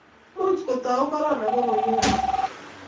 miuch kuutou korona koroiwek alak